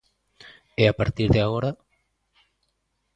E a partir de agora?